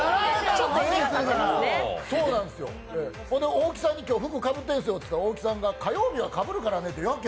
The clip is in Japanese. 大木さんに今日服かぶってるって言ったんですけど大木さんが火曜日はかぶるからねってようけ